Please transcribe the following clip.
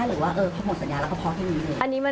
หรือว่าเขาหมดสัญญาแล้วก็พอกแค่นี้เลย